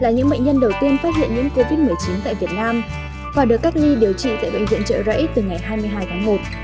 những bệnh nhân đầu tiên phát hiện nhiễm covid một mươi chín tại việt nam và được cách ly điều trị tại bệnh viện trợ rẫy từ ngày hai mươi hai tháng một